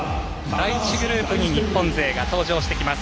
第１グループに日本勢が登場してきます。